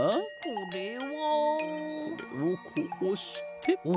これをこうして。